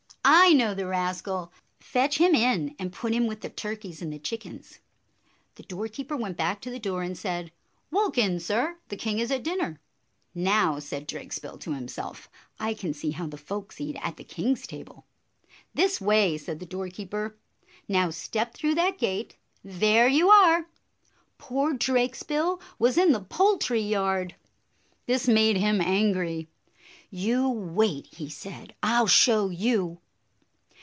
" I know the rascal. Fetch him in and put him with the turkeys and the chickens." The doorkeeper went back to the door, and said, "Walk in, sir! The king is at dinner." "Now," said Drakesbill to himself, "I can see how the folks eat at the king's table." "This way!" said the doorkeeper. "Now step through that gate. There you are! " Poor Drakesbill was in the poultry yard. This made him angry. "You wait," he said; " I 'll show you